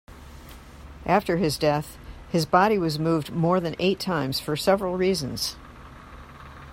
After his death, his body was moved more than eight times for several reasons.